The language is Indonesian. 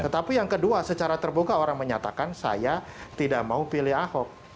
tetapi yang kedua secara terbuka orang menyatakan saya tidak mau pilih ahok